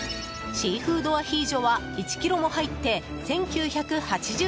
シーフードアヒージョは１ｋｇも入って１９８０円。